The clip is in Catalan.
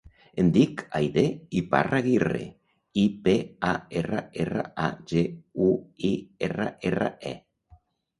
Em dic Aidé Iparraguirre: i, pe, a, erra, erra, a, ge, u, i, erra, erra, e.